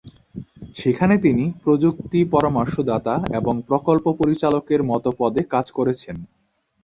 সেখানে তিনি প্রযুক্তি পরামর্শদাতা এবং প্রকল্প পরিচালকের মত পদে কাজ করেছেন।